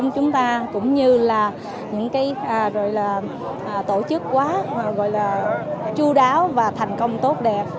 chúng ta cũng như là những tổ chức quá chú đáo và thành công tốt đẹp